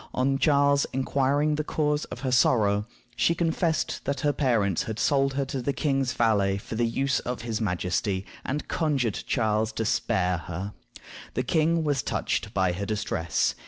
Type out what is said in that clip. On Charles inquiring the cause of her sorrow, she confessed that her parents had sold her to the king's valet for the use of his majesty, and conjured Charles to spare her. The king was touched by her distress.